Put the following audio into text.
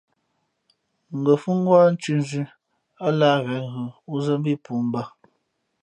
Ngα̌ fhʉ̄ ngwá thʉ̌ nzʉ̄, ά lǎh ghěn ghʉ wúzᾱ mbí pōō mbǎ.